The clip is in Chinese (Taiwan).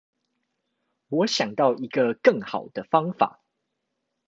我想到一個更好的方法